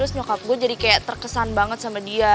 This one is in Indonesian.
terus nyokap gue jadi kayak terkesan banget sama dia